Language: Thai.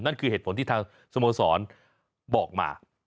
นั่นคือเหตุผลที่ทางสโมสรบอกมา